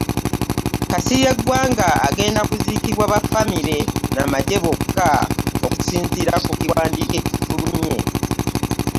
Kasirye Ggwanga agenda kuziikibwa baffamire na magye bokka okusinziira ku kiwandiiko ekifulumye